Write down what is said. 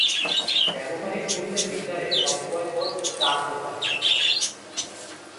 ব্যবহারিক মূল্যের বিচারে অব্যয় পদ চার প্রকারের।